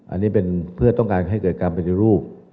อันนี้เป็นเพื่อให้เกิดการปฏิรูป